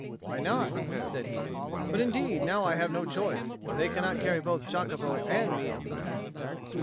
"Why not?" said he. "But indeed now I have no choice. For they cannot carry both Jacopo and me up the path."